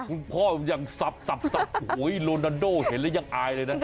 คุณพ่อยังสับโอ้โหโรนาโดเห็นแล้วยังอายเลยนะ